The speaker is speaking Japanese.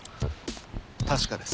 確かです。